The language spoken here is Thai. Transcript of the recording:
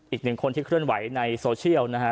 อีกหนึ่งคนที่เคลื่อนไหวในโซเชียลนะฮะ